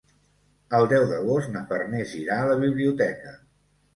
El deu d'agost na Farners irà a la biblioteca.